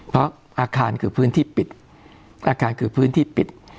เพราะอาคารคือพื้นที่ปิดอาคารคือพื้นที่ปิด